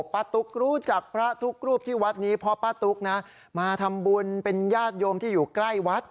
ตุ๊กรู้จักพระทุกรูปที่วัดนี้เพราะป้าตุ๊กนะมาทำบุญเป็นญาติโยมที่อยู่ใกล้วัด